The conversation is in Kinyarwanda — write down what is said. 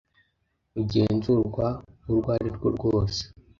rugenzurwa urwo ari rwo rwose